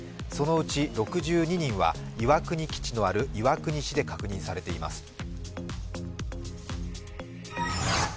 そのうち６２人は岩国基地のある岩国市で確認されています。